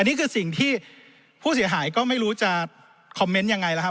อันนี้คือสิ่งที่ผู้เสียหายก็ไม่รู้จะคอมเมนต์ยังไงนะฮะ